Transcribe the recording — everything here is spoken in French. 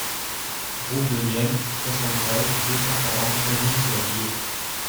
Route de Yenne, soixante-treize, deux cent quarante Saint-Genix-sur-Guiers